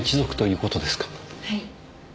はい。